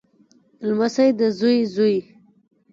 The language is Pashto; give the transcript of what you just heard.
لمسی دزوی زوی